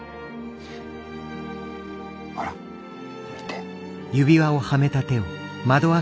ほら見て。